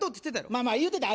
まあまあ言うてたよ